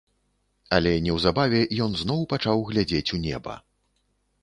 Але неўзабаве ён зноў пачаў глядзець у неба.